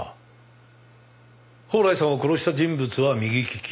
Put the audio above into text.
宝来さんを殺した人物は右利き。